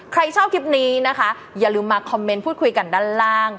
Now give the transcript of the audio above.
ใครชอบคลิปนี้นะคะอย่าลืมมาคอมเมนต์พูดคุยกันด้านล่าง